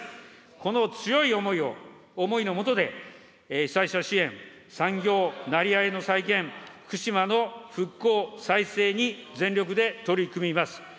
この強い思いを、思いの下で、被災者支援、産業・なりわいの再建、福島の復興・再生に全力で取り組みます。